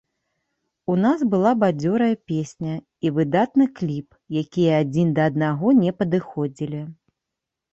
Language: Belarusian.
У нас была бадзёрая песня і выдатны кліп, якія адзін да аднаго не падыходзілі.